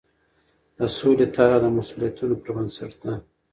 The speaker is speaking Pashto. د سولې طرحه د مسوولیتونو پر بنسټ ده.